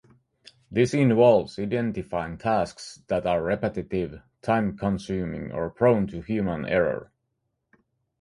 This involves identifying tasks that are repetitive, time-consuming, or prone to human error.